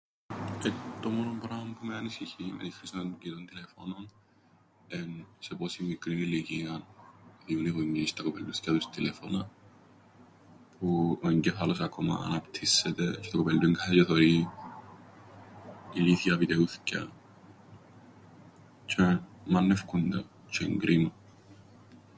Ε, το μόνον πράμαν που με ανησυχεί με την χρήσην των κινητών τηλεφώνων, εν' σε πόσην μικρήν ηλικίαν διούν οι γονιοί στα κοπελλούθκια τους τηλέφωνα, που... ο εγκέφαλος ακόμα αναπτύσσεται, τζ̆αι το κοπελλούιν κάθεται τζ̆αι θωρεί ηλίθια βιτεούθκια τζ̆αι μαννέφκουν τα, τζ̆αι εν' κρίμαν.